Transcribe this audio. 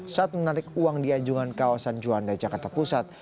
saat menarik uang di anjungan kawasan juanda jakarta pusat